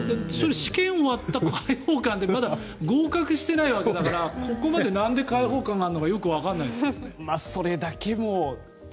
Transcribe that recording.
試験終わった解放感でまだ合格してないわけだからここまでなんで解放があるのかよくわからないですけど。